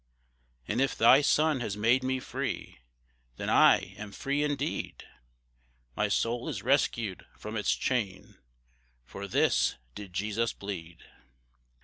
And if thy Son has made me free, Then I am free indeed; My soul is rescued from its chain, For this did Jesus bleed.